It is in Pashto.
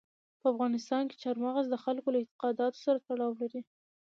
په افغانستان کې چار مغز د خلکو له اعتقاداتو سره تړاو لري.